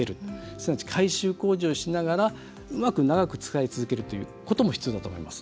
すなわち改修工事をしながらうまく長く使い続けるということも必要だと思います。